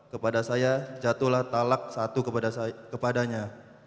kepada saya jatuhlah talak satu kepadanya